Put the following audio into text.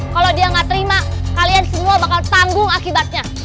kalau dia nggak terima kalian semua bakal tanggung akibatnya